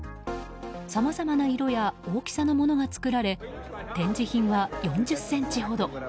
さまざまな色や大きさのものが作られ展示品は４０ｃｍほど。